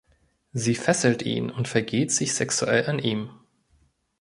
Sie fesselt ihn und vergeht sich sexuell an ihm.